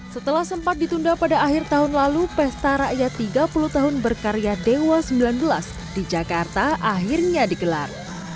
setelah sempat ditunda pada akhir tahun lalu pesta rakyat tiga puluh tahun berkarya dewa sembilan belas di jakarta akhirnya digelar